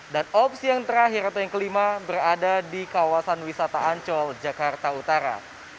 dan opsi yang terakhir atau yang kelima berada di kawasan wisata ancol jakarta utara